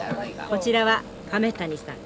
こちらは亀谷さん。